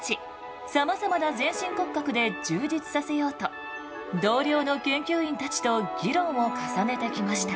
さまざまな全身骨格で充実させようと同僚の研究員たちと議論を重ねてきました。